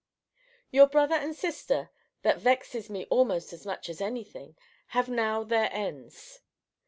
Your brother and sister [that vexes me almost as much as any thing!] have now their ends.